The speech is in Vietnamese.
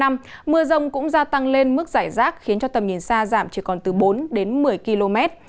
mưa rông cũng gia tăng lên mức giải rác khiến cho tầm nhìn xa giảm chỉ còn từ bốn đến một mươi km